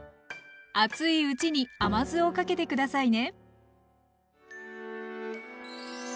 熱いうちに甘酢をかけて下さいね。